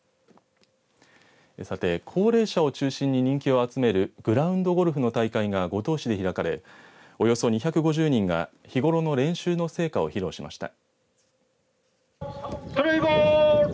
高齢者を中心に人気を集めるグラウンド・ゴルフの大会が五島市で開かれおよそ２５０人が日頃の練習の成果を披露しました。